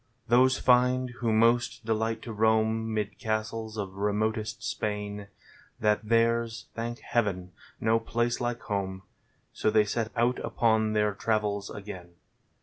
Those find, who most delight to roam 'Mid castles of remotest Spain, That there's, thank Heaven, no place like home ; So they set out upon their travels again.